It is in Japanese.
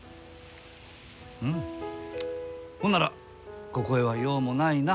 うんほんならここへは用もないな。